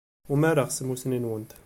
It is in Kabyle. Umareɣ s tmussni-nwent.